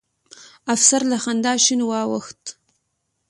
افسر له خندا شين واوښت.